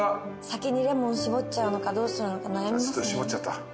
先にレモン搾っちゃうのかどうするのか悩みますね。